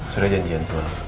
sudah janjian semalam